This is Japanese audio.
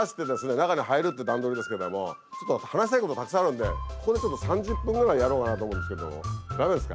中に入るって段取りですけどもちょっと話したいことたくさんあるんでここでちょっと３０分ぐらいやろうかなと思うんですけど駄目ですか？